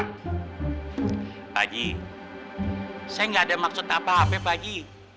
pak haji saya gak ada maksud apa apa pak haji